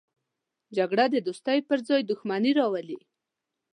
جګړه د دوستۍ پر ځای دښمني راولي